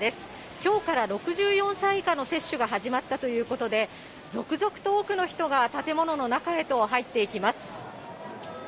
きょうから６４歳以下の接種が始まったということで、続々と多くの人が建物の中へと入っていきます。